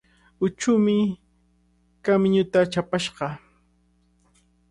Huchumi kamiñuta chapashqa.